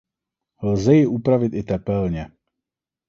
Lze ji upravit i tepelně.